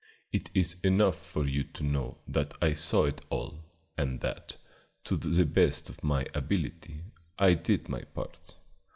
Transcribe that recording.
It is enough for you to know that I saw it all, and that, to the best of my ability, I did my part.